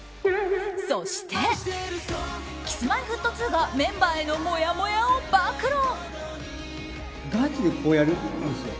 そしてＫｉｓ‐Ｍｙ‐Ｆｔ２がメンバーへのもやもやを暴露。